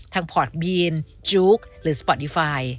พอร์ตบีนจุ๊กหรือสปอร์ตดีไฟ